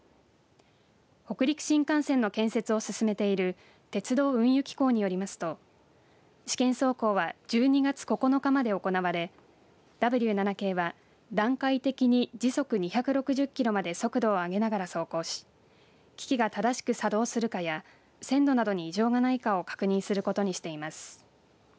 北陸新幹線の建設を進めている鉄道・運輸機構によりますと試験走行は１２月９日まで行われＷ７系は段階的に時速２６０キロまで速度を上げながら走行し機器が正しく作動するかや線路などに異常がないかを確認することにしています。